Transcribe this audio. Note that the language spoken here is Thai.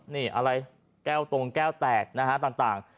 นี่อะไรแก้วตรงแก้วแตกนะฮะต่าง